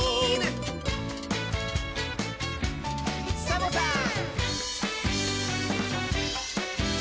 サボさん！